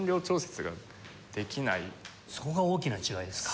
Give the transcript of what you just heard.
そこが大きな違いですか？